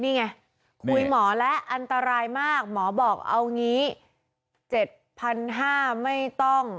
นี่ไงคุยหมอแล้วอันตรายมากหมอบอกเอางี้๗๕๐๐ไม่ต้อง